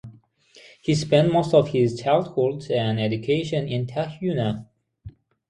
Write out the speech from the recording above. He spent most of his childhood and education in Tahuna.